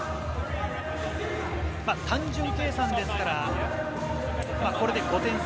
単純計算ですから、これで５点差。